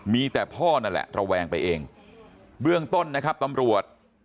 มีแต่พ่อนั่นแหละระแวงไปเองเบื้องต้นนะครับตำรวจ